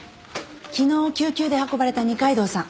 昨日救急で運ばれた二階堂さん